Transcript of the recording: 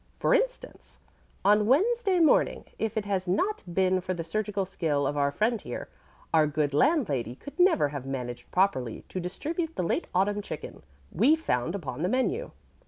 For instance, on Wednesday morning if it had not been for the surgical skill of our friend here, our good landlady could never have managed properly to distribute the late autumn chicken we found upon the menu.